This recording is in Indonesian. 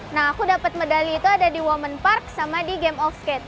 nah aku dapat medali itu ada di women park sama di game of skate